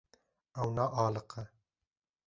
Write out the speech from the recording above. Ew naaliqe.